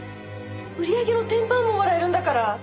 売り上げの１０パーももらえるんだから。